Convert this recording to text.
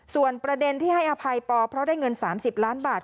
ส่วนประเด็นที่ให้อภัยปอเพราะได้เงิน๓๐ล้านบาท